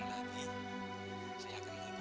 insya allah pak saya akan maaf